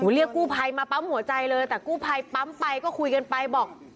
เรียกกู้ภัยมาปั๊มหัวใจเลยแต่กู้ภัยปั๊มไปก็คุยกันไปบอก